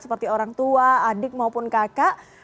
seperti orang tua adik maupun kakak